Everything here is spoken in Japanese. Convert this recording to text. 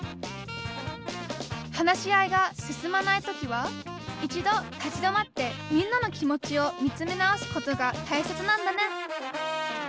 話し合いが進まない時は一度立ち止まってみんなの気持ちを見つめ直すことがたいせつなんだね。